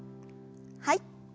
はい。